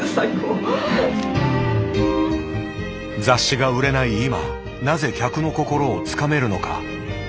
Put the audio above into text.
雑誌が売れない今なぜ客の心をつかめるのか。